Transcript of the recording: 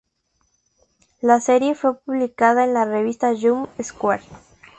La serie fue publicada en la revista Jump Square.